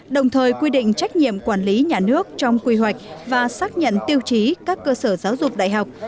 đồng thời quy định trách nhiệm quản lý nhà nước trong quy hoạch và xác nhận tiêu chí các cơ sở giáo dục đại học